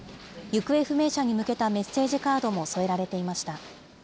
行方不明者に向けたメッセージカードも添えられていました。